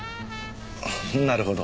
なるほど。